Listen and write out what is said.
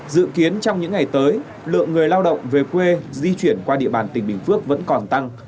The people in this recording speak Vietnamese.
dự kiến trong những ngày tới lượng người lao động về quê di chuyển qua địa bàn tỉnh bình phước vẫn còn tăng